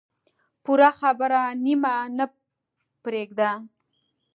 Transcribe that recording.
پوره خبره نیمه نه پرېږده.